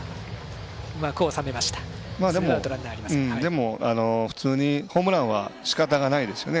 でも、普通にホームランはしかたがないですよね。